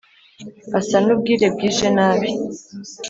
Asa n'ubwire bwije nabi